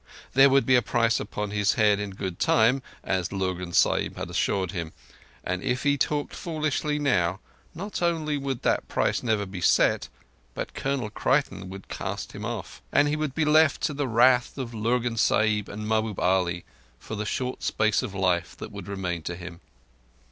There would be a price upon his head in good time, as Lurgan Sahib had assured him; and if he talked foolishly now, not only would that price never be set, but Colonel Creighton would cast him off—and he would be left to the wrath of Lurgan Sahib and Mahbub Ali—for the short space of life that would remain to him.